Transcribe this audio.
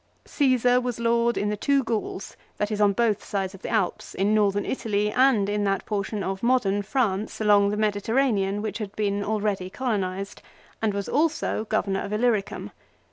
Ccesar was lord in the two Gauls, that is on both sides of the Alps, in Northern Italy and in that portion of modern France along the Mediterranean which had been already colonized, and was also governor of Illyricum.